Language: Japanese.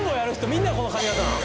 みんなこの髪形なん？